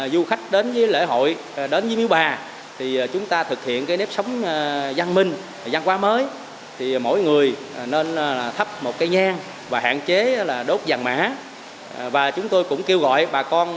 vào lễ hội dưới bà